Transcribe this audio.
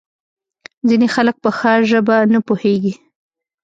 ځینې خلک په ښه ژبه نه پوهیږي.